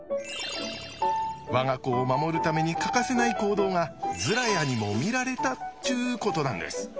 我が子を守るために欠かせない行動がズラヤにも見られたっちゅうことなんです。